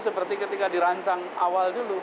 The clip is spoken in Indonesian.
seperti ketika dirancang awal dulu